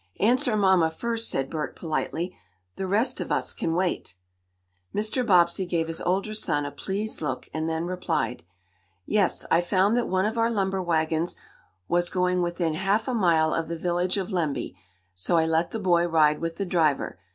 "Answer mamma first," said Bert politely. "The rest of us can wait." Mr. Bobbsey gave his older son a pleased look, and then replied: "Yes, I found that one of our lumber wagons was going within half a mile of the village of Lemby, so I let the boy ride with the driver.